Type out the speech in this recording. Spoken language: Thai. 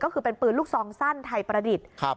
ก็คือเป็นปืนลูกซองสั้นไทยประดิษฐ์